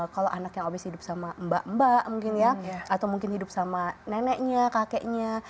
kalau anak yang habis hidup sama mbak mbak mungkin ya atau mungkin hidup sama neneknya kakeknya